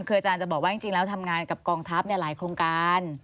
คืออาจารย์จะบอกว่าจริงแล้วทำงานกับกองทัพหลายโครงการ